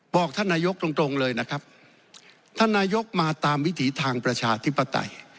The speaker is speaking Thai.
บอกท่านนายกตรงตรงเลยนะครับท่านนายกมาตามวิถีทางประชาธิปไตย